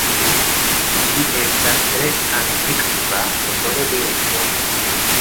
Ĝi estas tre antikva metodo de jogo.